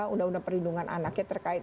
undang undang perlindungan anaknya terkait